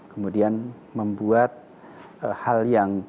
kemudian membuat hal yang tidak ada dikesankan ada